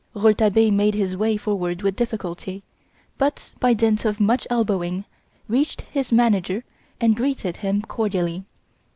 Rouletabille made his way forward with difficulty, but by dint of much elbowing reached his manager and greeted him cordially.